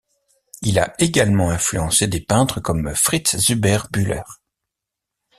Il a également influencé des peintres comme Fritz Zuber-Bühler.